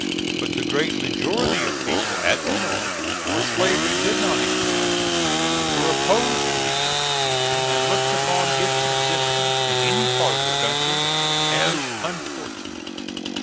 But the great majority of people at the North, where slavery did not exist, were opposed to the institution, and looked upon its existence in any part of the country as unfortunate.